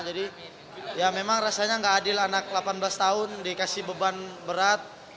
jadi ya memang rasanya gak adil anak delapan belas tahun dikasih beban berat